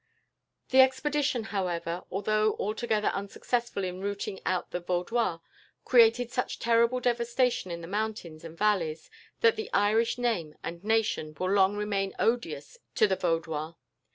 The expedition, however, although altogether unsuccessful in rooting out the Vaudois, created such terrible devastation in the mountains and valleys that the Irish name and nation will long remain odious to the Vaudois.